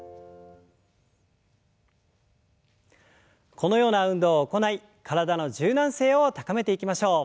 このような運動を行い体の柔軟性を高めていきましょう。